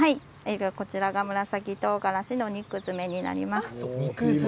こちらが紫とうがらしの肉詰めになります。